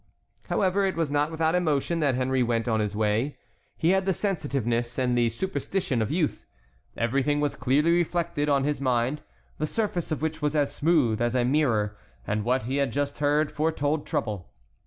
However, it was not without emotion that Henry went on his way. He had the sensitiveness and the superstition of youth. Everything was clearly reflected on his mind, the surface of which was as smooth as a mirror, and what he had just heard foretold trouble.